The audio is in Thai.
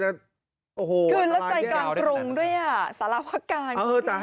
รักใจกลางกรุงด้วยสารพักการ